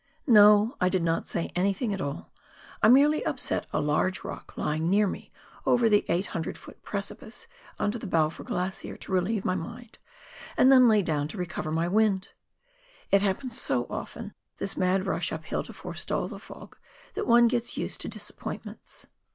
No, I did not say anything at all. I merely upset a large rock lying near me over the 800 ft. preci pice on to the Balfour Glacier to relieve my mind, and then lay down to recover my wind. It happens so often — this mad rush uphill to forestall the fog — that one gets used to disappoint ments.